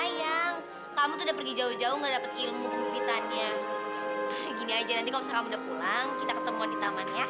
ya ampun antoni kamu baik banget